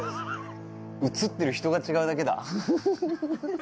映ってる人が違うだけだ。